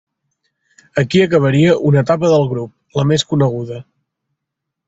Aquí acabaria una etapa del grup, la més coneguda.